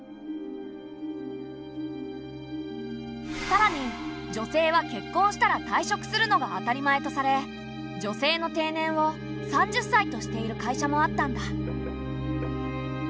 さらに女性は結婚したら退職するのが当たり前とされ女性の定年を３０歳としている会社もあったんだ。